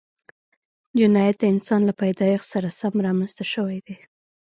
جنایت د انسان له پیدایښت سره سم رامنځته شوی دی